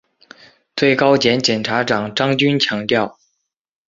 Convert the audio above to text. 最高检检察长张军强调